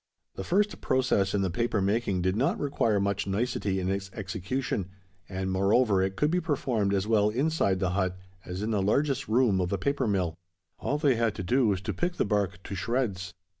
The first process in the paper making did not require much nicety in its execution; and, moreover, it could be performed as well inside the hut as in the largest room of a paper mill. All they had to do was to pick the bark to shreds.